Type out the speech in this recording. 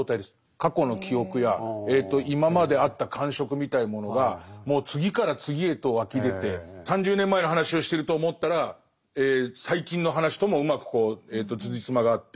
過去の記憶や今まであった感触みたいなものがもう次から次へと湧き出て３０年前の話をしてると思ったら最近の話ともうまくつじつまがあって